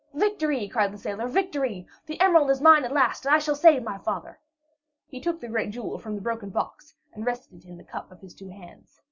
"Victory!" cried the sailor, "victory! The emerald is mine at last, and I shall save my father." He took the great jewel from the broken box and rested it in the cup of his two hands.